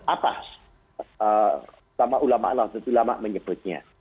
atas ulama ulama naudatul ulama menyebutnya